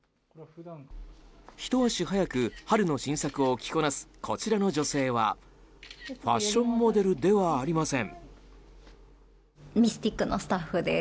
ひと足早く春の新作を着こなすこちらの女性はファッションモデルではありません。